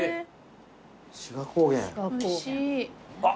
あっ。